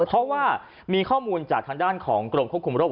เพราะว่ามีข้อมูลจากทางด้านของกรมควบคุมโรค